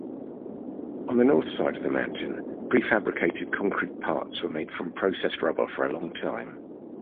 On the north side of the mountain, pre-fabricated concrete parts were made from processed rubble for a long time.